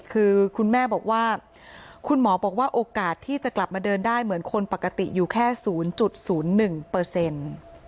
คือคุณแม่บอกว่าคุณหมอบอกว่าโอกาสที่จะกลับมาเดินได้เหมือนคนปกติอยู่แค่ศูนย์จุดศูนย์หนึ่งเปอร์เซ็นต์